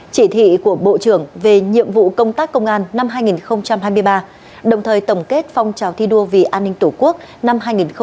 chỉ thị của bộ trưởng về nhiệm vụ công tác công an năm hai nghìn hai mươi ba đồng thời tổng kết phong trào thi đua vì an ninh tổ quốc năm hai nghìn hai mươi ba